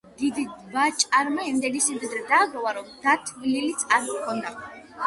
ერთმა დიდვაჭარმა იმდენი სიმდიდრე დააგროვა, რომ დათვლილიც არ ჰქონდა